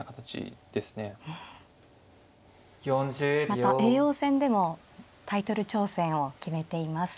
また叡王戦でもタイトル挑戦を決めています。